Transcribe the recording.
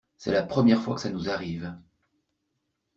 C’est la première fois que ça nous arrive...